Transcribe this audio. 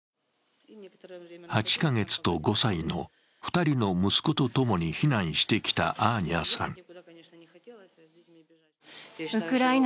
８カ月と５歳の２人の息子とともに避難してきたアーニャさん。